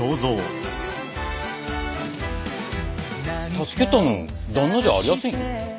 助けたの旦那じゃありやせんよ。